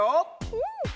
うん！